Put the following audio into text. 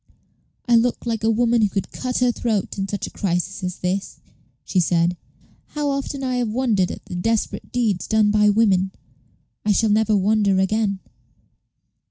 "I look like a woman who could cut her throat in such a crisis as this," she said. "How often I have wondered at the desperate deeds done by women! I shall never wonder again."